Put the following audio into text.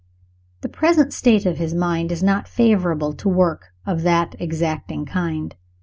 The present state of his mind is not favorable to work of that exacting kind.